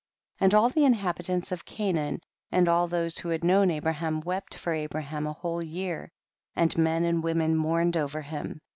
32. And all the inhabitants of Ca naan, and all those who had known Abraham, wept for Abraham a whole year, and men and women mourned over him.